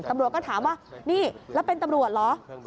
ตำรวจก็ถามว่านี่แล้วเป็นตำรวจเหรอ